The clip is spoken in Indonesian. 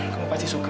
kamu pasti suka